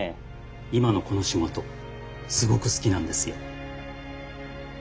今のこの仕事すごく好きなんですよ。